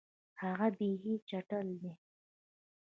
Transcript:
هغه بیخي چټل دی.